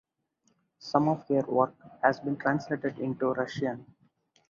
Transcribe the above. Some of her work has been translated into Russian.